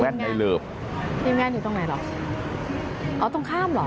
แว่นในหลืบนี่แว่นอยู่ตรงไหนหรออ๋อตรงข้ามหรอ